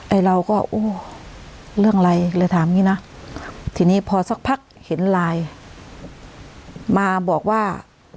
ไอ้เราก็โอ้เรื่องอะไรเลยถามอย่างงี้นะทีนี้พอสักพักเห็นไลน์มาบอกว่า